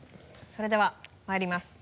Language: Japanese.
それではまいります。